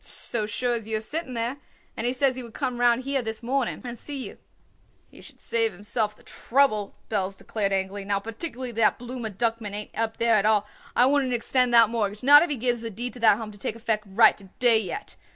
"So sure as you are sitting there. And he says he would come round here this morning and see you." "He should save himself the trouble," Belz declared angrily. "Now particularly that Blooma Duckman ain't up there at all, I wouldn't extend that mortgage, not if he gives a deed to that Home to take effect right to day yet.